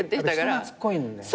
人懐っこいんだよね。